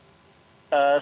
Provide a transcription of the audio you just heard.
saya kira tidak ada